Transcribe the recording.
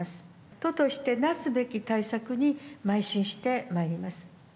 都としてなすべき対策に、まい進してまいります。